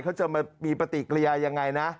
เขาจะมีปฏิกิริยายังไงนะ